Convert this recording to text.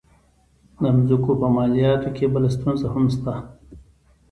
د مځکو په مالیاتو کې بله ستونزه هم شته.